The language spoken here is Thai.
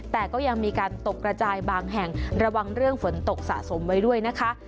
แต่ก็ยังมีการตกกระจายบางแห่งระวังเรื่องฝนตกสะสมไว้ด้วยนะคะ